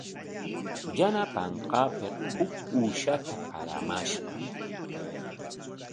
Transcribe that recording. Yanapanqaapik huk uushata qaramashqa.